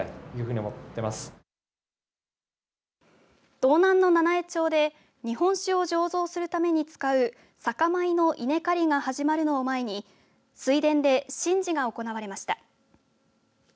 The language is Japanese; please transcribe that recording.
道南の七飯町で日本酒を醸造するために使う酒米の稲刈りが始まるのを前に水田で神事が行われました。